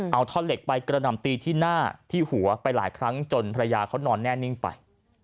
เอาท่อนเหล็กไปกระหน่ำตีที่หน้าที่หัวไปหลายครั้งจนภรรยาเขานอนแน่นิ่งไป